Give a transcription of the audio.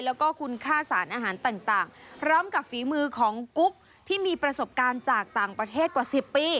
แล้วก็คุณค่าสารอาหารต่างพร้อมกับฝีมือของกุ๊กที่มีประสบการณ์จากต่างประเทศกว่า๑๐ปี